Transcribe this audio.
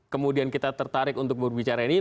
kemudian kita tertarik untuk berbicara ini